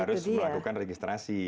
harus melakukan registrasi